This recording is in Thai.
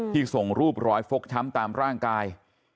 ส่งรูปรอยฟกช้ำตามร่างกาย